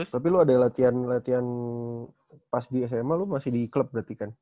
tapi lu ada latihan latian pas di sma lu masih di club berarti kan